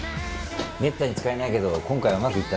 めったに使えないけど今回はうまくいったね。